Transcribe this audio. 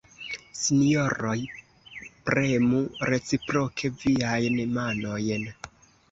Sinjoroj, premu reciproke viajn manojn.